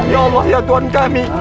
ya allah ya tuhan kami